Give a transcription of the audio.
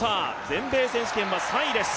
全米選手権は３位です。